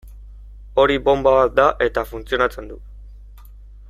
Hori bonba bat da, eta funtzionatzen du.